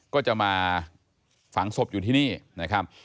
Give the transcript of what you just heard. ก็จะมาฝังศพอยู่ที่นี่นะครับ